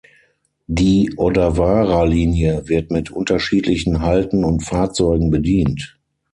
Die Odawara-Linie wird mit unterschiedlichen Halten und Fahrzeugen bedient.